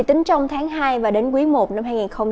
tính trong tháng hai và đến quý i năm hai nghìn hai mươi